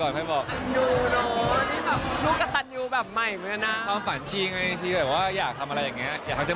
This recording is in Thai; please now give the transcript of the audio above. แล้วกันพาเธอไปทำเอาไปลงบน๓วันนิด